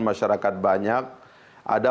masyarakat banyak ada